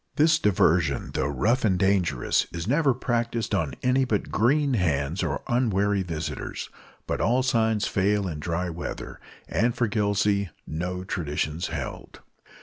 This diversion, though rough and dangerous, is never practised on any but green hands or unwary visitors; but all signs fail in dry weather, and for Gillsey no traditions held.